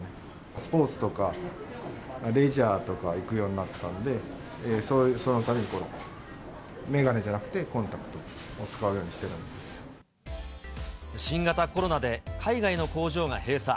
スポーツとかレジャーとか行くようになったんで、そのたびに眼鏡じゃなくて、新型コロナで海外の工場が閉鎖。